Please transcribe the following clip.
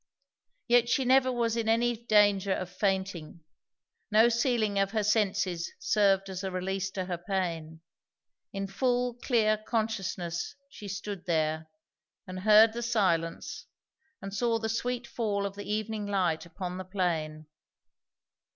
Yet she never was in any danger of fainting; no sealing of her senses served as a release to her pain; in full, clear consciousness she stood there, and heard the silence and saw the sweet fall of the evening light upon the plain.